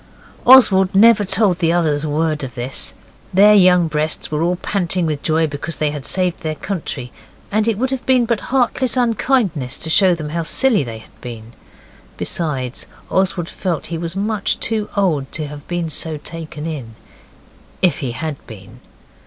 Oswald never told the others a word of this. Their young breasts were all panting with joy because they had saved their country; and it would have been but heartless unkindness to show them how silly they had been. Besides, Oswald felt he was much too old to have been so taken in if he HAD been.